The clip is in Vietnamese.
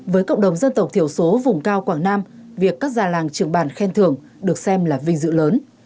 với cộng đồng dân tộc thiểu số vùng cao quảng nam việc các già làng trưởng bản khen thưởng được xem là vinh dự lớn